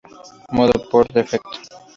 Modo por defecto.